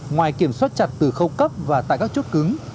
ngoài kiểm soát chặt từ khâu cấp và tại các chốt cứng